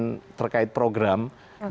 dengan program program lainnya